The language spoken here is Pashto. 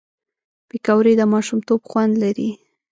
پکورې د ماشومتوب خوند لري